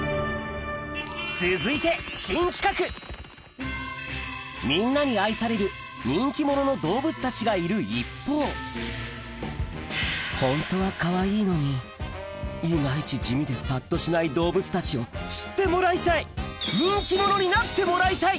続いて新企画みんなに愛される人気者の動物たちがいる一方ホントはかわいいのに今イチ地味でぱっとしない動物たちを知ってもらいたい人気者になってもらいたい！